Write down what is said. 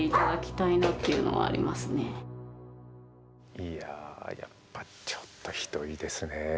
いややっぱちょっとひどいですね。